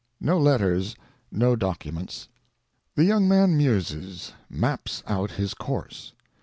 No letters, no documents. The young man muses—maps out his course.